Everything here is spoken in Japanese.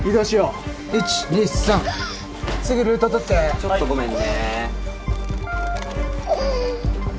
・ちょっとごめんね。